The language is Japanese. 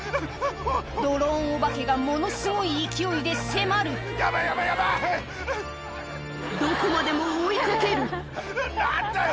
ドローンオバケがものすごい勢いで迫るどこまでも追い掛ける何だよ！